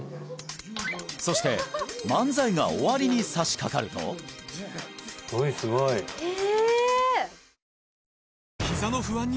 そして漫才が終わりにさしかかるとすごいすごいへえ！